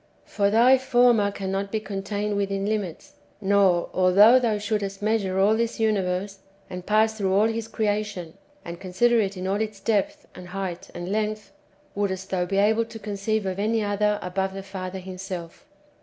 For thy Former cannot be contained wdthin limits ; nor, although thou shouldst measure all this [universe], and pass through all His creation, and con sider it in all its depth, and height, and length, wouldst thou be able to conceive of any other above the Father Himself.